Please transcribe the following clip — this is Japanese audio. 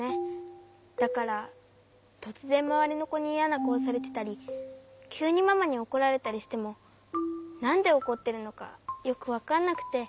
だからとつぜんまわりのこにイヤなかおされてたりきゅうにママにおこられたりしてもなんでおこってるのかよくわかんなくて。